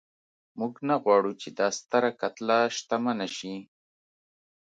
موږ نه غواړو چې دا ستره کتله شتمنه شي.